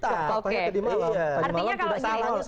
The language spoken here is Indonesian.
tadi malam tidak ada koordinasi sih